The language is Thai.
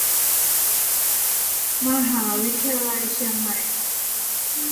มหาวิทยาลัยเชียงใหม่